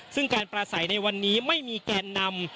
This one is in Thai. ซึ่งการประสัยในวันนี้ไม่มีแกนนำ